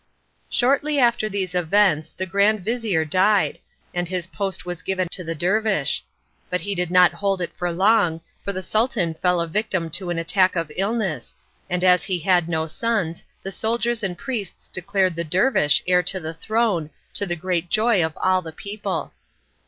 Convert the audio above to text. Shortly after these events, the grand vizir died, and his post was given to the dervish. But he did not hold it for long, for the Sultan fell a victim to an attack of illness, and as he had no sons, the soldiers and priests declared the dervish heir to the throne, to the great joy of all the people.